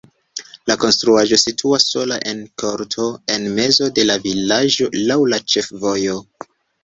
La konstruaĵo situas sola en korto en mezo de la vilaĝo laŭ la ĉefvojo.